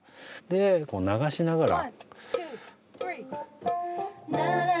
でこう流しながら。